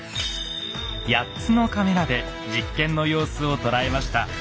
８つのカメラで実験の様子を捉えました。